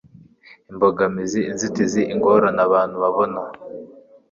imbogamizi inzitizi, ingoraneabntu babona